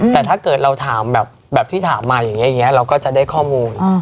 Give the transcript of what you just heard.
แต่ถ้าเกิดเราถามแบบที่ถามมาอย่างนี้เราก็จะได้ข้อมูล